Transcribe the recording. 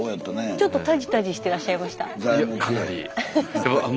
ちょっとタジタジしてらっしゃいました？